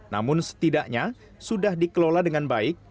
namun setidaknya sudah dikelola dengan baik